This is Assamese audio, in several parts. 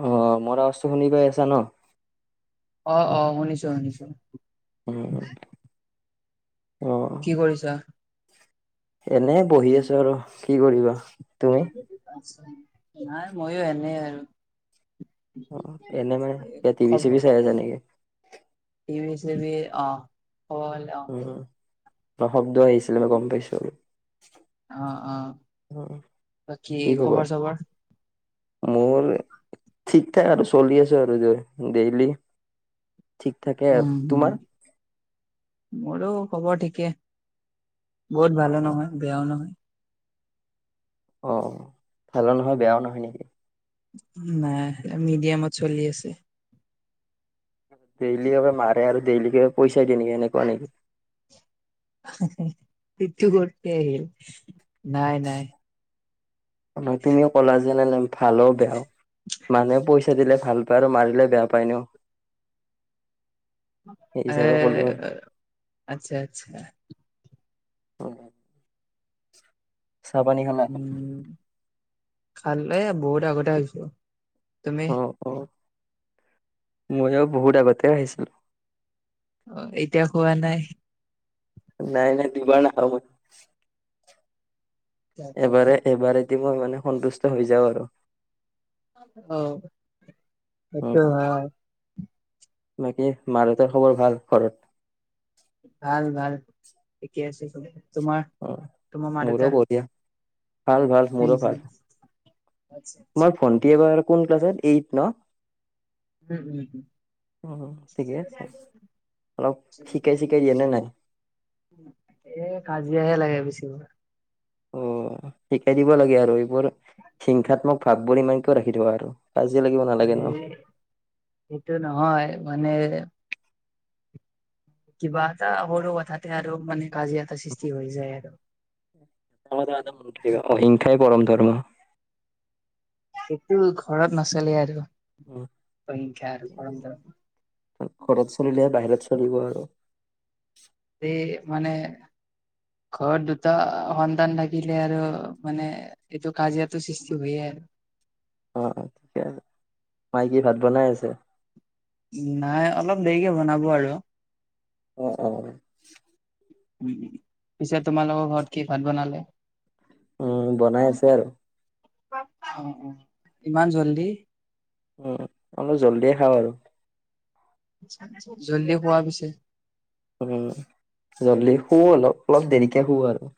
অঁ, মোৰ আৱজটো শুনি পাই আছা ন। অ অ, শুনিছো শুনিছো। উম। কি কৰিছা? এনেই বহি আছো আৰু, কি কৰিবা। তুমি? নাই মইয়ো এনেই আৰু। অঁ, এনেই এ মানে টিভি চিভি খবৰ চাই আছা নেকি? টিভি চিভি অঁ ক'ব গলে অঁ। উম, শব্দ আহিছিলে মই গম পাইছো আৰু। অঁ অঁ, উম, বাকি খবৰ চবৰ? মোৰ ঠিক ঠাক আৰু চলি আছে আৰু ডেইলি ঠিক থাকে আৰু উম, তোমাৰ? মোৰো খবৰ ঠিকে। বহুত ভালো নহয় বেয়াও নহয়। অঁ, ভালো নহয় বেয়াও নহয় নেকি? নাই মিডিয়ামত চলি আছে। ডেইলি এবাৰ মাৰে আৰু ডেইলিকে পইচা দিয়ে নেকি এনেকুৱা নেকি? সেটো কৰতে আহিল, নাই নাই। মানে তুমি ক'লা যেনে ন ভালো বেয়াও মানে পই চা দিলে ভাল পায় আৰু মাৰিলে বেয়া পায় এনেয়ো সেই এ হিচাপে ক'লো আচ্ছা আচ্ছা। অঁ। চাহ পানী খাম। উম, খালে বহুত আগতে খাইছো, তুমি? অ', অ, ময়ো বহুত আগতে খাইছিলো। অঁ এতিয়া খোৱা নাই। নাই নাই দুবাৰ নাখাওঁ মই। এবাৰে এবাৰে এদি মই মানে সন্তুষ্ট হৈ যাওঁ আৰু। অ', উম, সেটো হয়। বাকী মা দেউতাৰ খবৰ ভাল ঘৰত? ভাল ভাল ঠিকে আছে চবে, তোমাৰ অ', তোমাৰ মা মোৰো দেউতা? বঢ়িয়া ভাল ভাল উম মোৰো উম ভাল, আচ্ছা আচ্ছা। তোমাৰ ভণ্টি এইবাৰ কোন ক্লাছত এইট ন'? উম উম উম উম, ঠিকে আছে অলপ শিকাই ছি কাই দিয়া নে নাই? এ কাজিয়াহে লাগে বেছিকৈ। অ', শিকাই দিব লাগে আৰু এইবোৰ হিংসাত্মক ভাৱ বোৰ ইমান কিয় ৰাখি থোৱা আৰু। কাজিয়া লাগিব নালাগে ন? এই, সেইটো নহয় মানে কিবা এটা সৰু কথাতে আৰু মানে কাজিয়া এটা সৃষ্টি হৈ যায় আৰু। [unintelligible] অহিংসাই পৰম ধৰ্ম। সেইটো ঘৰত নচলে আৰু। উম, হিংসা আৰু পৰম্পৰা ঘৰত চলিলেহে বাহিৰত চলিব আৰু। এই মানে ঘৰত দুটা সন্তান থাকিলে আৰু মানে এইটো কাজিয়াটো সৃষ্টি হয়ে আৰ। অ', অ', ঠিকে আছে, মাই কি ভাত বনাই আছে? নাই অলপ দেৰিকে বনাব আৰু। অ', অ'। পিছে তোমালোকৰ ঘৰত কি ভাত বনালে? উম বনাই আছে আৰু অ', অ', ইমান জল্দি! উম, অলপ জল্ডিয়ে খাওঁ আৰু। জল্দি শুৱা পিছে। উম, জল্দি, শুও অলপ অলপ দেৰিকে শুও আৰু।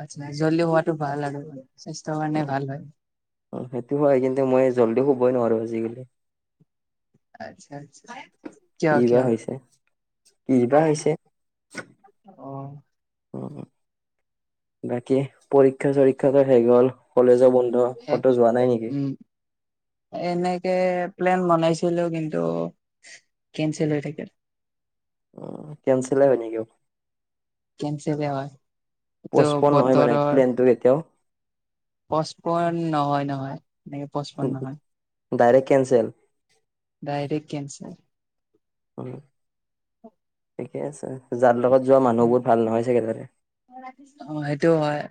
আটচা, জল্দি শোৱাটো ভাল আৰু স্বাস্থ্যৰ কাৰণে ভাল হয়। অ', সেইটো হয়, কিন্তু মই জল্দি শুবই নোৱাৰো আজিকালি। আটচা আটচা। কি বা হৈছে, কি বা হৈছে। অ'। অ', বাকী পৰীক্ষা-চৰীক্ষা সব শেষ হ'ল কলেজো বন্ধ। শেষ, ক'তো যোৱা নাই নেকি উম। এনেকে প্লেন বনাইছিলো, কিন্তু কেনচেল হৈ থাকিল। উম, কেনচেল হে হয় নেকি? কেনচেল হয়, ইটো পচপন নহয় মানে বতৰৰ প্লেনটো কেতিয়াও পচপন্ নহয় নহয়, সেনেকে পচপন নহয়। Direct cancel? Direct cancel. উম, ঠিকে আছে যাৰ লগত যোৱা মানুহ বোৰ ভাল নহয় চাগে তাৰে। অ', হেইটোও হয়।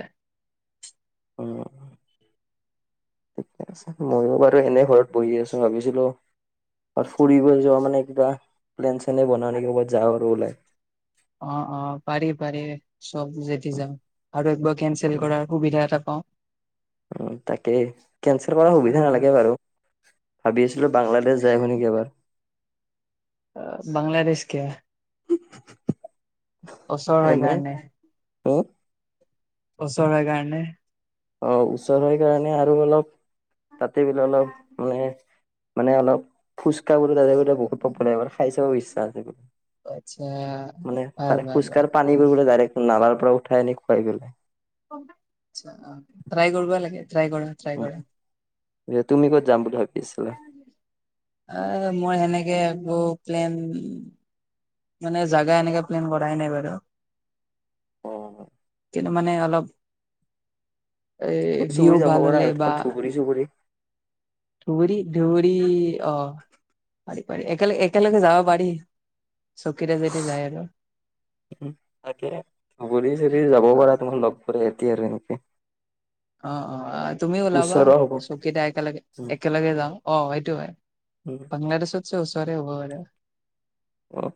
উম। ঠিকে আছে ময়ো বাৰু এনে ঘৰত বহি আছো, ভাবিছিলো ক'ৰবাত ফুৰিবৈ যোৱা মানে কিবা প্লেন-চেনেই বনাও নেকি, ক'বাত যাওঁ আৰু ওলাই। অ', অ' পাৰি পাৰি চব যদি উ যাই। আৰু একবাৰ কেনচেল কৰাৰ সুবিধা এটা পাওঁ। অ তাকে, কেঞ্চেল কৰাৰ সুবিধা অ নালাগে বাৰু। ভাবি আছিলো বাংলাদেশ যায় আহো নেকি এবাৰ। বাংলাদেশ কিয়? ওচৰ হয় এনেই কাৰণে ত। ওচৰ হয় কাৰণে। অ ওচৰ হয় কাৰণে আৰু অলপ তাতে কিবা অলপ মানে মানে অলপ ফুচকা বোৰ তাতে বোলে বহুত পপুলাৰ এবাৰ খায় চাব ইচ্ছা আছে। আটছা মানে ভাল তাৰে ভাল ফুচকাৰ ভাল। পানীবোৰ বোলে ডাইৰেক্ট নালাৰ পৰা উঠাই আনি খুৱাই বোলে। ট্ৰাই কৰবা লাগে, ট্ৰাই কৰা ট্ৰাই উম, কৰা। তুমি ক'ত যাম বুলি ভাবি আছিলা? এ মই এনেকে একো প্লেন মানে জাগা এনেকে প্লেন কৰাই নাই বাৰু। অঁ। কিন্তু মানে অলপ এই ধুবুৰী ভিউ চুবুৰী যাব ভাল পাৰা হলে আৰু বা ধুবুৰী? ধুবুৰী ধুবুৰী অহ, পাৰি পাৰি একেল একেলগে যাব পাৰি। চকীৰে যদি যায় আৰু তাকে ধুবুৰী চৰি যাব অ পাৰা তোমাৰ লগ পৰি এতি আৰু এনেকে। অঁ অ' তুমি ওলাবা ওচৰ হ'ব চকীদা একেলগে একেলগে যাওঁ অঁ সেইটো হয়। বাংলাদেশতচে ওচৰে হ'ব আৰু। অহ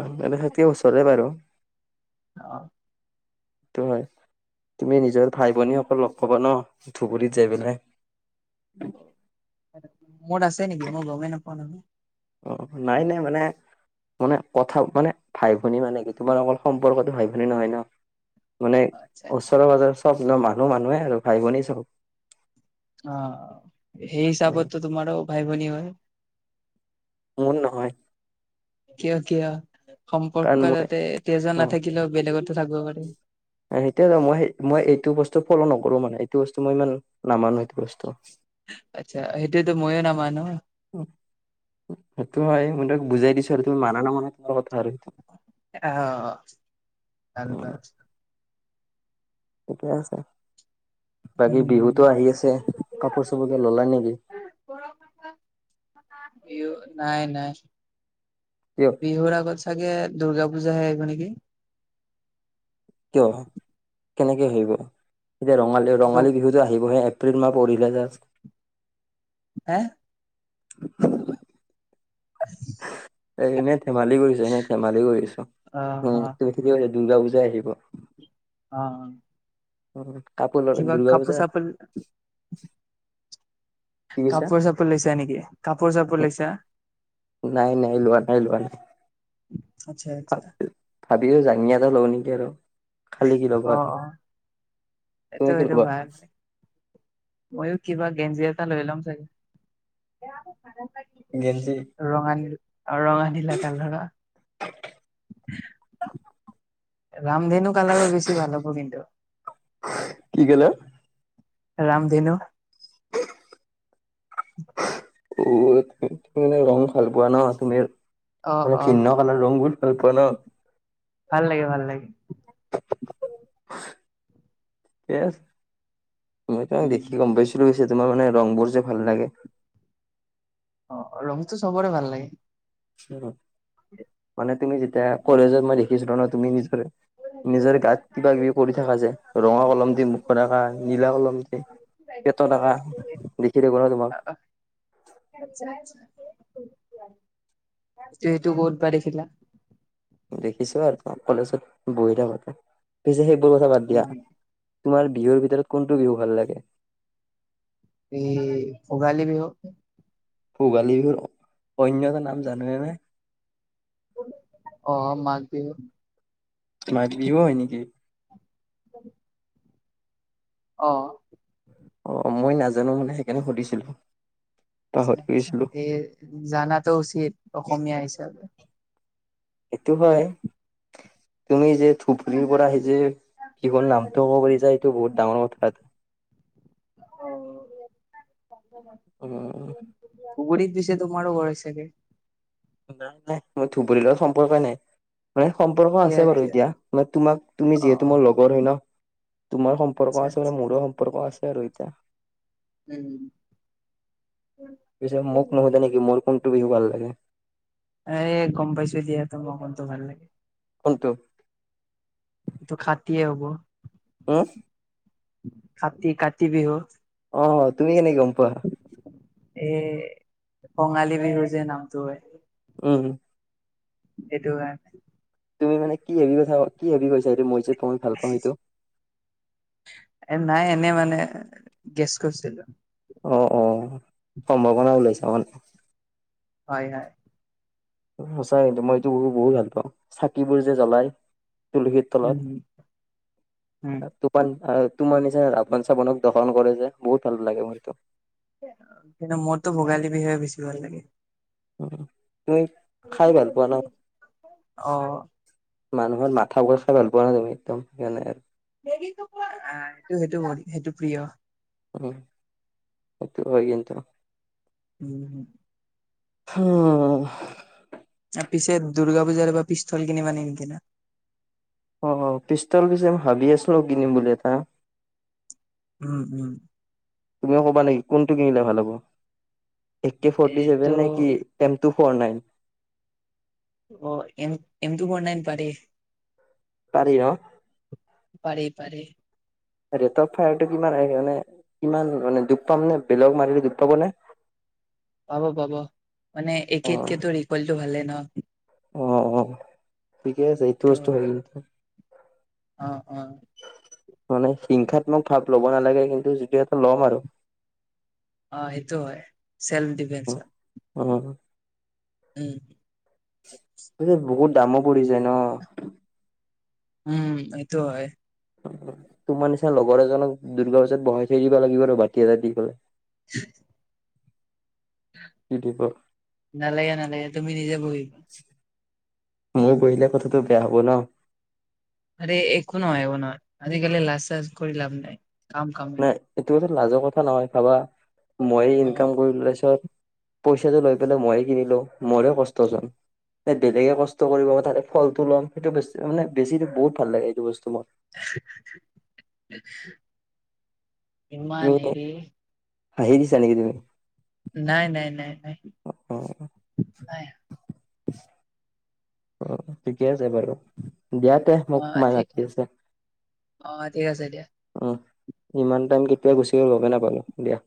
বাংলাদেশতকে ওচৰে বাৰু। অঁ। সেইটো হয়, তুমি নিজৰ ভাই ভনীসকল লগ পাবা ন ধুবুৰীত যায় পেলাই। মোৰ আছে নেকি? মই গমেই নাপাওঁ নহয়! অ নাই নাই মানে মানে কথা মানে ভাই ভনী মানে কি তোমাৰ অকল সম্পৰ্কতো ভাই ভনী নহয় ন। মানে আচ্ছা আচ্ছা, ওচৰে পাজৰে চব ন মানুহ মানুহে আৰু ভাই ভনী চব। অঁ। সেই অ হিচাপতটো তোমাৰো ভাই ভনী হয়। মোৰ নহয়। কিয় কিয়? কাৰণ সম্পৰ্ক মই তাতে তেজৰ নাথাকিলেও বেলেগৰতো থাকব পাৰি। সেইটোৱে ত মই মই এইটো বস্তু ফল' নকৰো মানে, এইটো বস্তু মই ইমান নামানো সেইটো বস্তু। আচ্ছা সেইটোতো ময়ো নামানো সেইটো হয় মই তোমাক বুজাই দিছো আৰু তুমি মানা নামানা তোমাৰ কথা আৰু। সেইটো অঁ। উম [unintelligible] ঠিকে আছে, বাকী বিহুতো উম আহি আছে কাপোৰ চাপোৰ কিবা ললা নেকি? বিহু নাই নাই। কিয়? বিহুৰ আগত চাগে দূৰ্গা পূজাহে আহিব নেকি? কিয়? কেনেকে আহিব? এতিয়া ৰঙালীয় ত ৰঙালী বিহুত এতিয়া আহিবহে এপ্ৰিল মাহ পৰিলে জাষ্ট। হে, [inaudible] [inaudible] এ এনেই ধেমালি কৰিছো, এনেই ধেমালি কৰিছো। অ অ উম' তুমি ঠিকেই কৈছা, দুৰ্গা পূজাই আহিব। অঁ। উম কাপোৰ ললে, দুৰ্গা পূজা, চাপোৰ কি কৈছা কাপোৰ চাপোৰ লৈছা নেকি? কাপোৰ চাপোৰ লৈছা। নাই নাই লোৱা নাই লোৱা নাই। আটচ্ছা আটচ্ছা। ভাবিছোঁ জাঙিয়া এটা লওঁ নেকি আৰু। খালি কি ল'বা অঁ আৰু অঁ, এইটো তুমি কি এইটো ল'বা ভাল। ময়ো কিবা গেঞ্জি এটা লৈ ল'ম চাগে। গেঞ্জি। ৰঙা নীল, অঁ ৰঙা নীলা কালাৰৰ। [inaudible] ৰামধেনু কালাৰৰ বেছি ভাল হ'ব কিন্তু। কি কা'লাৰ? ৰামধেনু। অঁ, তুমি মানে ৰং ভাল পোৱা ন তুমি, অ মানে, অ ভিন্ন কালাৰ ৰং বোৰ ভাল পোৱা ন। ভাল লাগে, ভাল লাগে। ঠিকে আছে, মই তাইক দেখি গম পাইছিলো পিছে। তোমাৰ মানে ৰংবোৰ যে ভাল লাগে। অ', অ' ৰঙটো চবৰে ভাল লাগে। মানে তুমি যেতিয়া, কলেজত মই দেখিছিলো ন, তুমি নিজৰে- নিজৰ গাত কিবা-কিবি কৰি থাকা যে, ৰঙা কলম দি মুখত আঁকা, নীলা কলম দি, পেটত আঁকা, দেখি থাকো নহয় তোমাক। চাইছা। এইটো ক'ত বা দেখিলা। দেখিছো আৰু কলেজত বহি থাকোতে, পিছে সেইবোৰ কথা বাদ দিয়া। তোমাৰ বিহুৰ ভিতৰত কোনটো বিহু ভাল লাগে? কি, ভোগালী বিহু। ভোগালী বিহুৰ, অন্য এটা নাম জাননে নাই? অ' মাঘ বিহু। মাঘ বিহু হয় নেকি? হয়। অহ'। অ' মই নাজানো মানে, সেইকাৰণে সুধিছিলো। আচ্চা, পাহৰি আচ্ছা, গৈছিলো এই জানাটো উচিত অসমীয়া হিচাপে। সেইটো হয়, তুমি যে ধুবুৰীৰ পৰা আহি যে, নিজৰ নামটো ক'ব পাৰিছা, এইটো বহুত ডাঙৰ কথা এটা। অহ'। অহ'। ধুবুৰীত পিছে তোমাৰো ভয় চাগে। নাই নাই, মই ধুবুৰীৰ লগত সম্পৰ্কই নাই। মানে সম্পৰ্ক কিয়া আছে বাৰু কিয়া? এতিয়া, মানে তোমাক, তুমি অ অ যিহেতু মোৰ লগৰ হয় ন! তোমাৰ সম্পৰ্ক আচ্ছা আছে আচ্ছা মানে, মোৰো সম্পৰ্ক আছে আৰু এতিয়া। উম্, পিছে মোক নুশুধে নেকি? মোৰ কোনটো বিহু ভাল লাগে। এ গম পাইছোঁ দিয়া, তোমাৰ কোনটো ভাল লাগে। কোনটো? টো কাতিয়ে হ'ব। উম্। কাতি, কাতি বিহু। অ', তুমি কেনেকে গম পোৱা? এ কঙালী বিহু যে, নামটো হয়। উম্। সেইটো কাৰণে। তুমি মানে কি ভাবি কথা, কি ভাবি কৈছাঁ। সেইটো মইযে প্র এ নাই এনেই মানে, গেছ কৰিছিলোঁ। অ', অ', সম্ভাৱনা ওলাইছাঁ মানে। হয়, হয়। সঁচাই, মইটো এইটো বিহু বহুত ভাল পাওঁ, চাকিবোৰ যে জ্বলাই। তুলসীৰ তলত। উম উম তোমান এ, তোমাৰ নিচনা ৰাৱণ-চাবণক দৰ্শন কৰে যে, বহুত ভাল লাগে মোৰ সেইটো। কিন্তু মোৰতো ভোগালী বিহুহে বেছি ভাল লাগে। উম্, তুমি খাই ভাল পোৱা না। অ মানুহৰ মাথা ৱাছ খাই ভাল পোৱা নে তুমি, একদম সেইকাৰণে আৰু এইটো সেইটো, সেইটো প্ৰিয়। উম্, সেইটো হয় কিন্তু। উম্, উম্, পিছে দুৰ্গা পূজাত এইবাৰ পিষ্টল কিনিবা নে নিকিনা? অ'অ', পিষ্টল পিছে ভাবি আছিলোঁ, কিনিম বুলি এটা। উম্, উম্। তুমি ক'বা নেকি? কোনটো কিনিলে ভাল হ'ব, এক কে ফৰ্টি এইটো চেভেন নে কি? M two four nine. অ', এম টু ফৰ নাইন পাৰি। পাৰি ন'। পাৰি পাৰি। ৰেট অ'ফ ফায়াৰটো কিমান আহ্ মানে, কিমান মানে দুখ পাম নে, বেলেগক মাৰিলে দুখ পাব নে? পাব পাব, মানে অ ৰিকেলটো ইকুৱেলতো ভালে ন'। অ', অ', ঠিকে আছে, এইটো ত বস্তু হেৰি অ', অ', মানে হিংসাত্মক ভাৱ ল'ব নালাগে, কিন্তু যদিও এইটো ল'ম আৰু। অ', সেইটো হয়, চেল্ফ ডিফেন্সত। অ', উম্। পিছে বহুত দামো পৰি যায় ন'। উম্, এইটো হয়। তোমাৰ নিচিনা লগৰ এজনক, দুৰ্গা পূজাত বহাই থৈ দিবা লাগিব আৰু বাতি এটা দি পেলে। [inaudible] কি দিব নালাগে নালাগে তুমি নিজে বহিব মই বহিলে কথাটো বেয়া হ'ব ন'। আৰে একো নহয় একো নহয়, আজিকালি লাজ-চাজ কৰি লাভ নাই কাম- কাম। নাই এইটো লাজৰ কথা নহয় ভাবা, মইয়ে অ ইনকাম কৰি লৈছোঁ পইচাতো লৈ পেলে মই কিনিলো, মৰে কষ্ট চুন। এ বেলেগে কষ্ট কৰিব তাতে ফলটো ল'ম, সেইটো বেছ মানে বেছিটো বহুত ভাল লাগে এইটো বস্তু মোৰ। [unintelligible] ইমান তুমি হেৰি হাঁহি দিছা নেকি তুমি নাই' নাই' নাই' নাই'। অ', নাই। অ', ঠিকে আছে বাৰু দিয়াত অ', ঠিক অ' ঠিক আছে দিয়া। অ ইমান টাইম কেতিয়া গুচি গ'ল, গমে নাপালো দিয়া।